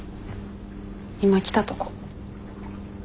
今来たとこ。